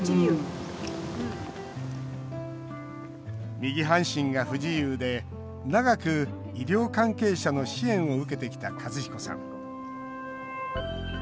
右半身が不自由で長く医療関係者の支援を受けてきたカズヒコさん。